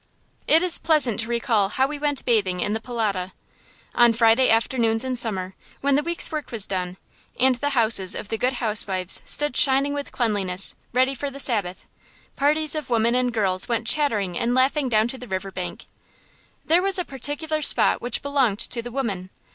It is pleasant to recall how we went bathing in the Polota. On Friday afternoons in summer, when the week's work was done, and the houses of the good housewives stood shining with cleanliness, ready for the Sabbath, parties of women and girls went chattering and laughing down to the river bank. There was a particular spot which belonged to the women.